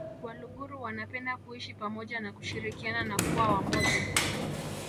Waluguru wanapenda kuishi pamoja na kushirikiana na kuwa wamoja